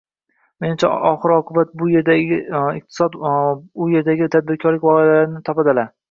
Menimcha, oxir-oqibat bu yerdagi iqtisod, bu yerdagi tadbirkorlar oʻz gʻoyalarini topadilar.